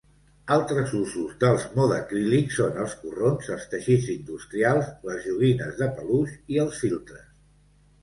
Altres usos dels modacrílics són els corrons, els teixits industrials, les joguines de peluix i els filtres.